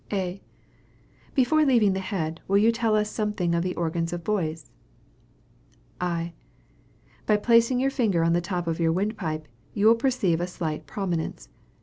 A. Before leaving the head, will you tell us something of the organs of voice? I. By placing your finger on the top of your windpipe, you will perceive a slight prominence.